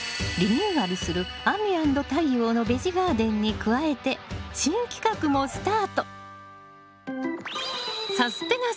リニューアルする「亜美＆太陽のベジガーデン」に加えて新企画もスタート！